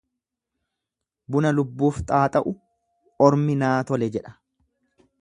Buna lubbuuf xaaxa'u ormi naa tole jedha.